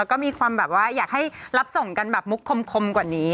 แล้วก็มีความแบบว่าอยากให้รับส่งกันแบบมุกคมกว่านี้